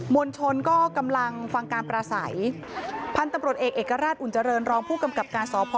วลชนก็กำลังฟังการปราศัยพันธุ์ตำรวจเอกเอกราชอุ่นเจริญรองผู้กำกับการสพ